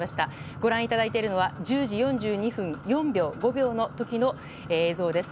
ご覧いただいているのは１０時４２分５秒の時の映像です。